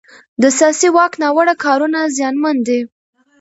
د سیاسي واک ناوړه کارونه زیانمن دي